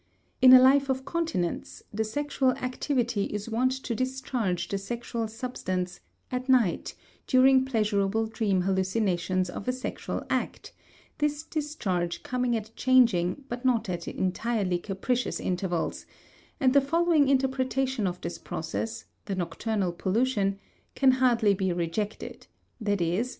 In a life of continence the sexual activity is wont to discharge the sexual substance at night during pleasurable dream hallucinations of a sexual act, this discharge coming at changing but not at entirely capricious intervals; and the following interpretation of this process the nocturnal pollution can hardly be rejected, viz.